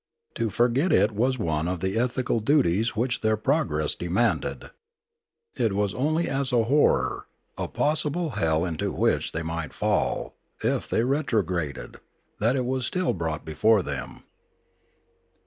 To fcrget it was one of the ethical duties which their progress demanded. It was only as a horror, as a possible hell into which they might fall, if they retrograded, that it was still brought before them.